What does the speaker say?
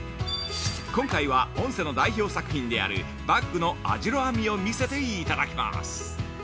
今回はオンセの代表作であるバッグの網代編みを見せていただきます。